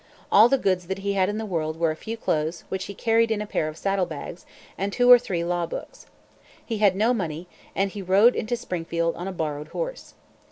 All the goods that he had in the world were a few clothes, which he carried in a pair of saddle bags, and two or three law books. He had no money, and he rode into Springfield on a borrowed horse.